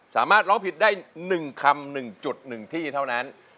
สามารถร้องผิดได้๑คำ๑๑ที่เท่านั้น